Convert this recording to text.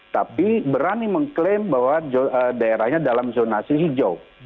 tapi berani mengklaim bahwa daerahnya dalam zonasi hijau